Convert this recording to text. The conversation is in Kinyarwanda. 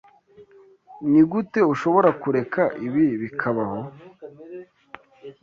Nigute ushobora kureka ibi bikabaho?